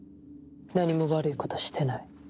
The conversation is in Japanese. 何も悪いことしてない。